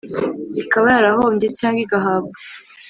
Ikaba yarahombye cyangwa igahabwa